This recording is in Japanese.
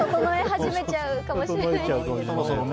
整え始めちゃうかもしれないですけど。